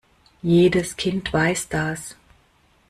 Jedes Kind weiß das.